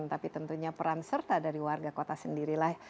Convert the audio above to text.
tapi tentunya peran serta dari warga kota sendirilah